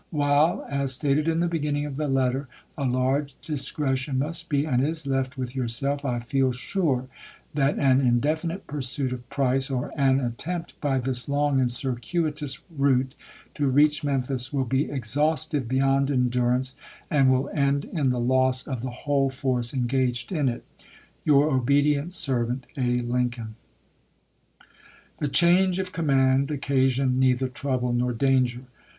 While, as stated in the beginning of the letter, a large discretion must be and is left with yourself, I feel sure that an indefinite pursuit of Price, or an attempt by this long and cii'cuitous route to reach Memphis, will be w. K. Vol. exhaustive beyond endurance, and will end in the loss of "554." ' the whole force engaged in it. Your obedient servant, A. Lincoln. The change of command occasioned neither trouble nor danger.